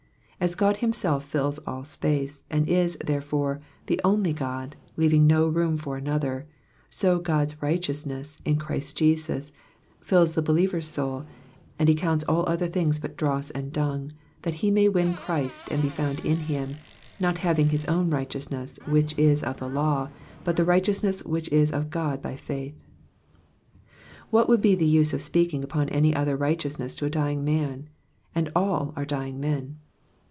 As God himself fills all space, and is, therefore, the only God, leaving no room for another, so God's righteousness, in Christ Jesus, fills the believer's soul, and he counts all other things but dross and dung that be may win Christ, and be found in him, not having his own righteousness which is of the law, but the righteousness which is of God by faith." What would be the use of speaking upon any other righteousness to a dying man ? and all are dying men.